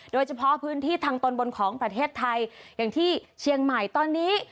โดยเฉพาะพื้นที่ทางตอนบนของประเทศไทยอย่างที่เชียงใหม่ตอนนี้